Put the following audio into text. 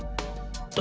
jangan lewat gue